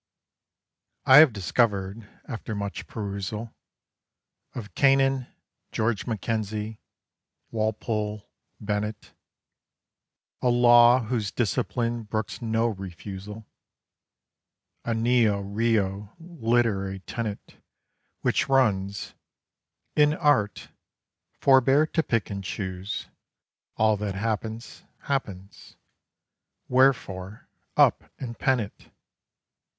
_ I have discovered, after much perusal Of Cannan, George Mackenzie, Walpole, Bennett, A Law whose discipline brooks no refusal, A neo rheo literary tenet Which runs: "In art, forbear to pick and choose. All That happens, happens. Wherefore, up and pen it!